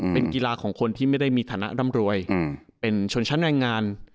เป็นกีฬาของคนที่ไม่ได้มีฐานะร่ำรวยเป็นชนชั้นแรงงาน